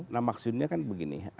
nah maksudnya kan begini